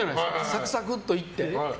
サクサクといって。